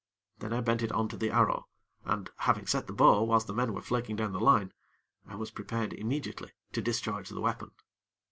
Then I bent it on to the arrow, and, having set the bow whilst the men were flaking down the line, I was prepared immediately to discharge the weapon.